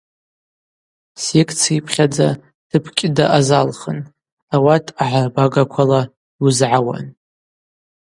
Секциипхьадза тып кӏьыда азалхын, ауат агӏарбагаквала йуызгӏауан.